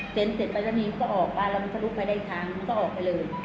เตรนเสร็จไปตรงนี้ก็ออกป้าเรามันสรุปไปอีกทางก็ออกไปเลย